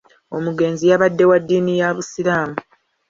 Omugenzi yabadde wa dddiini ya busiraamu.